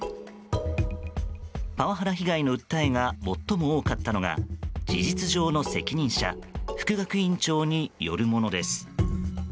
パワハラ被害の訴えが最も多かったのが事実上の責任者副学院長によるものです。